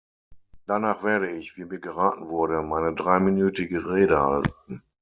Danach werde ich, wie mir geraten wurde, meine dreiminütige Rede halten.